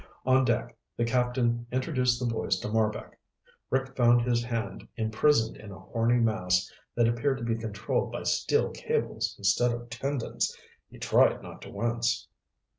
On deck, the captain introduced the boys to Marbek. Rick found his hand imprisoned in a horny mass that appeared to be controlled by steel cables instead of tendons. He tried not to wince.